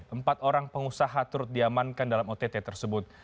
empat orang pengusaha turut diamankan dalam ott tersebut